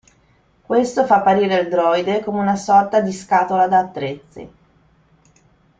Questo fa apparire il droide come una sorta di "scatola da attrezzi".